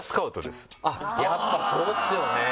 やっぱそうですよね！